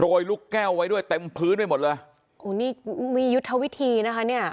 โดยลูกแก้วไว้ด้วยเต็มพื้นไปหมดเลยโอ้นี่มียุทธวิธีนะคะเนี่ย